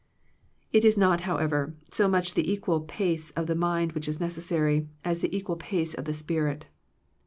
It is not, however, so much the equal pace of the mind which is necessary, as the equal pace of the spirit.